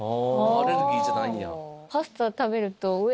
アレルギーじゃないんや。